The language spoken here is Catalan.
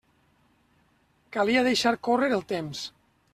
Calia deixar córrer el temps.